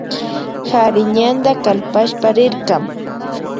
Kari ñanda kalpashpa rirka